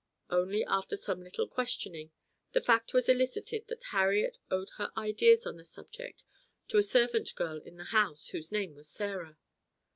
Only after some little questioning the fact was elicited that Harriet owed her ideas on the subject to a servant girl in the house, whose name was Sarah.